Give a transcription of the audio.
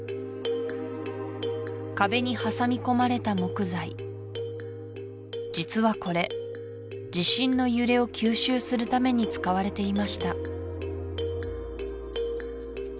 壁に挟み込まれた木材実はこれ地震の揺れを吸収するために使われていました